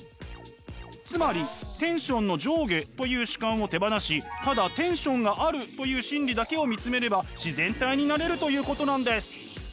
つまりテンションの上下という主観を手放しただテンションがあるという真理だけを見つめれば自然体になれるということなんです。